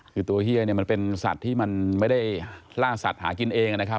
คือตัวเฮียมันเป็นสัตว์ที่มันไม่ได้ล่าสัตว์หากินเอง